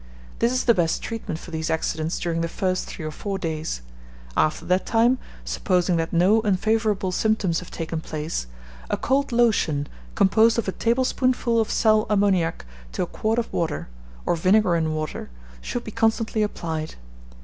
This is the best treatment for these accidents during the first three or four days. After that time, supposing that no unfavourable symptoms have taken place, a cold lotion, composed of a tablespoonful of sal ammoniac to a quart of water, or vinegar and water, should be constantly applied.